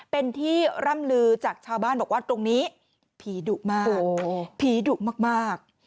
เป็นที่ร่ำลือจากชาวบ้านบอกว่าตรงนี้ผีดุมากผีดุมาก